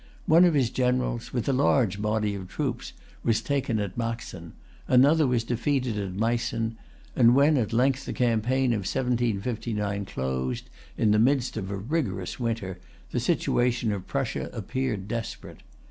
One of his generals, with a large body of troops, was taken at Maxen; another was defeated at Meissen; and when at length the campaign of 1759 closed, in the midst of a rigorous winter, the situation of Prussia appeared desperate.